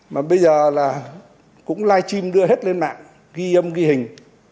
mà bây giờ là cũng live stream đưa hết lên mạng ghi âm ghi hình